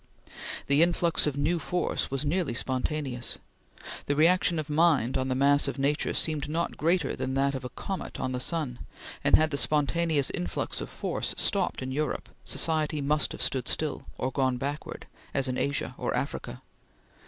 The influx of new force was nearly spontaneous. The reaction of mind on the mass of nature seemed not greater than that of a comet on the sun; and had the spontaneous influx of force stopped in Europe, society must have stood still, or gone backward, as in Asia or Africa.